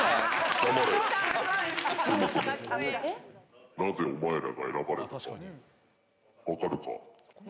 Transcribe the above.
そもそも、なぜお前らが選ばれたか、分かるか？